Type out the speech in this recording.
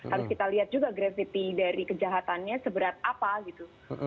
harus kita lihat juga gravity dari kejahatannya seberat apa gitu